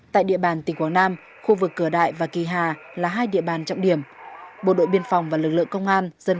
tại địa bàn tỉnh quảng nam khu vực cửa đại thuộc thành phố hội an